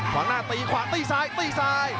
ขวางหน้าตีขวาตีซ้ายตีซ้าย